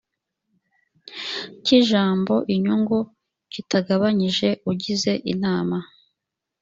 cy ijambo inyungu kitagabanyijwe ugize inama